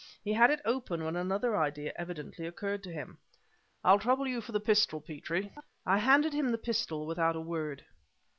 He had it open when another idea evidently occurred to him. "I'll trouble you for the pistol, Petrie." I handed him the pistol without a word.